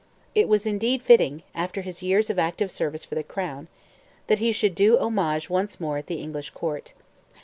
It was indeed fitting, after his years of active service for the crown, that he should do homage once more at the English court.